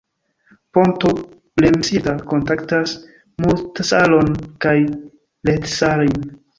Ponto Lemmensilta kontaktas Muuratsalon kaj Lehtisaarin.